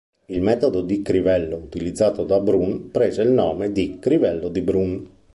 Il metodo di crivello utilizzato da Brun prese il nome di crivello di Brun.